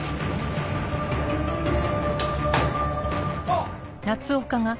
あっ！